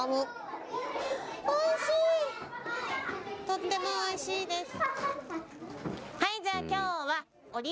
とってもおいしいです。